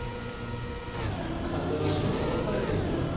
ＫＡＺＵＩが下ろされていきます。